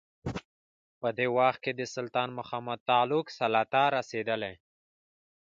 په دې وخت کې د سلطان محمد تغلق سلطه رسېدلې.